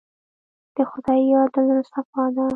د خدای یاد د زړه صفا ده.